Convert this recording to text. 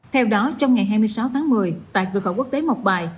theo đó trong ngày hai mươi sáu tháng một mươi tại cửa khẩu quốc tế mộc bài